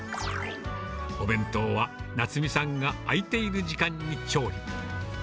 お弁当は奈津実さんが空いている時間に調理。